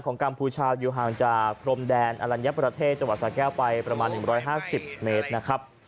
กัมพูชาอยู่ห่างจากพรมแดนอลัญญประเทศจังหวัดสาแก้วไปประมาณ๑๕๐เมตรนะครับ